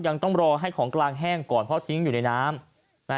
ยังต้องรอให้ของกลางแห้งก่อนเพราะทิ้งอยู่ในน้ำ